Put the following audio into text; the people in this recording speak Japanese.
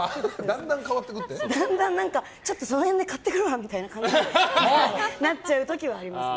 だんだん、ちょっとその辺で買ってくるわみたいな感じになっちゃう時はあります。